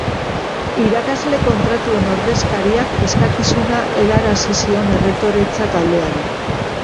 Irakasle kontratatuen ordezkariak eskakizuna helarazi zion errektoretza taldeari